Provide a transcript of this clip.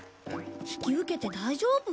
引き受けて大丈夫？